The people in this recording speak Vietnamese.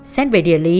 xét về địa lý